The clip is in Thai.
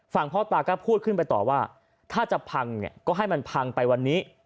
พ่อตาก็พูดขึ้นไปต่อว่าถ้าจะพังเนี่ยก็ให้มันพังไปวันนี้